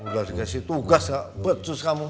udah dikasih tugas pecus kamu